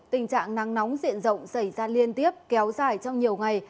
tình trạng nắng nóng diện rộng xảy ra liên tiếp kéo dài trong nhiều ngày